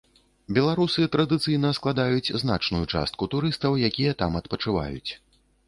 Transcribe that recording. Беларусы традыцыйна складаюць значную частку турыстаў, якія там адпачываюць.